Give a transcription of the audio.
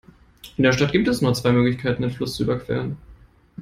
In der Stadt gibt es nur zwei Möglichkeiten, den Fluss zu überqueren.